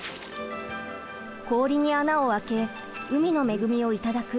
氷に穴を開け海の恵みを頂く